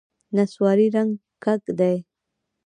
نسواري رنګ کږ دی.